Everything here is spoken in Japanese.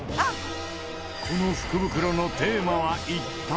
この福袋のテーマは一体？